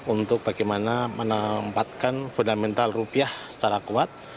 untuk bagaimana menempatkan fundamental rupiah secara kuat